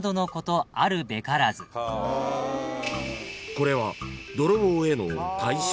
［これは］